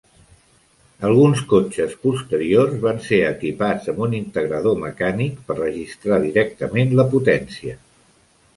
Alguns cotxes posteriors van ser equipats amb un integrador mecànic per registrar directament la potència.